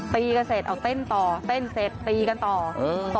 ตีกันเสร็จเอาเต้นต่อเต้นเสร็จตีกันต่ออืม